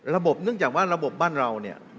เนื่องจากว่าระบบบ้านเราเนี่ย